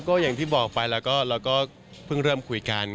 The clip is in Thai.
ก็อย่างที่บอกไปแล้วก็เพิ่งเริ่มคุยกัน